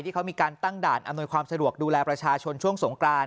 ที่เขามีการตั้งด่านอำนวยความสะดวกดูแลประชาชนช่วงสงกราน